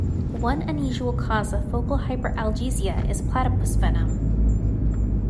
One unusual cause of focal hyperalgesia is platypus venom.